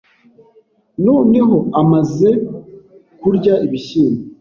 Noneho amaze kurya ibishyimbo